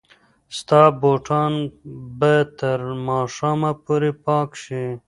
ستا بوټان به تر ماښامه پورې پاک شي.